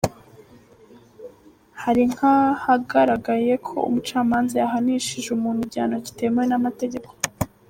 Hari nk’ahagaragaye ko umucamanza yahanishije umuntu igihano kitemewe n’amategeko ;.